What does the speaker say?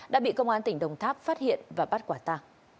đã bị công an tỉnh đồng tháp phát hiện và bắt quả ta